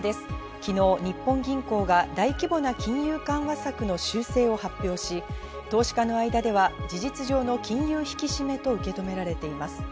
昨日、日本銀行が大規模な金融緩和策の修正を発表し、投資家の間では事実上の金融引き締めと受け止められています。